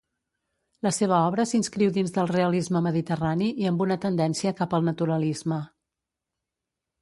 La seva obra s'inscriu dins del realisme mediterrani i amb una tendència cap al naturalisme.